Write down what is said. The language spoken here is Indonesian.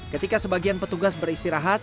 ketika sebagian petugas beristirahat